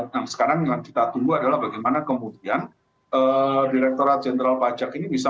nah sekarang yang kita tunggu adalah bagaimana kemudian direkturat jenderal pajak ini bisa